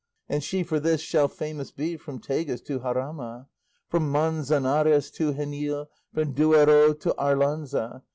And she for this shall famous be From Tagus to Jarama, From Manzanares to Genil, From Duero to Arlanza.